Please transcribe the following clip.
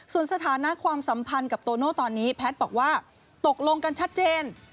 ส่วนสถานะความสัมพันธ์กับโตโน่ตอนนี้แพทย์บอกว่าตกลงกันชัดเจน